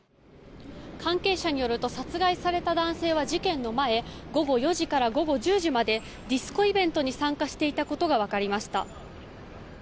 関係者によると殺害された男性は事件の前午後４時から午後１０時までディスコイベントに参加していたことが分かりました。